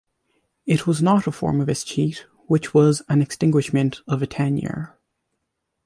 It was not a form of escheat, which was an extinguishment of a tenure.